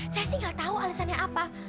saya sih nggak tahu alasannya apa